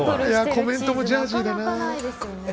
コメントもジャージー。